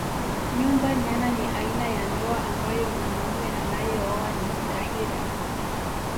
Nyumba nyana ni aina ya ndoa ambayo mwanaume anayeoa ni tahira